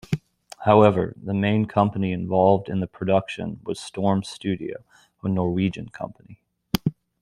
However, the main company involved in the production was Storm Studio, a Norwegian company.